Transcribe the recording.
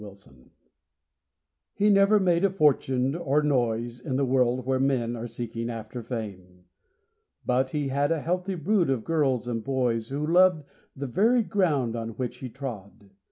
FATHER He never made a fortune, or a noise In the world where men are seeking after fame; But he had a healthy brood of girls and boys Who loved the very ground on which he trod.